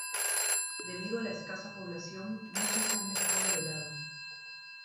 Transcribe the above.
Debido a la escasa población, muchas se han dejado de lado.